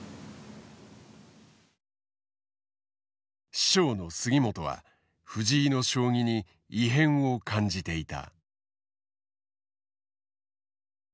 師匠の杉本は藤井の将棋に異変を感じていた。